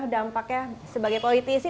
dampaknya sebagai politisi